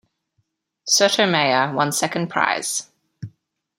Sotomayor won second prize.